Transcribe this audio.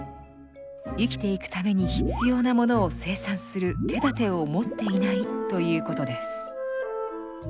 生きていくために必要なものを生産する手だてを持っていないということです。